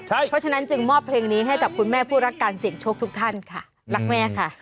เพราะฉะนั้นจึงมอบเพลงนี้ให้กับคุณแม่ผู้รักการเสี่ยงโชคทุกท่านค่ะรักแม่ค่ะ